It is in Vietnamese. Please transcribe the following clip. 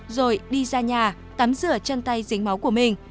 rồi đi ra nhà tắm rửa chân tay dính máu của mình